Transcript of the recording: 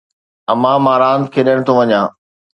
امان مان راند کيڏڻ ٿو وڃان.